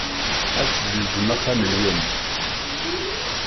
Ad tessenzem axxam-nwen.